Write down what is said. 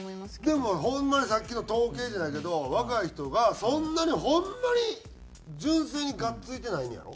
でもホンマにさっきの統計じゃないけど若い人がそんなにホンマに純粋にがっついてないんねやろ？